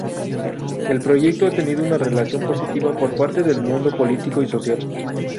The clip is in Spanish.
El proyecto ha tenido una reacción positiva por parte del mundo político y social.